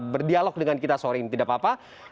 berdialog dengan kita sorry tidak apa apa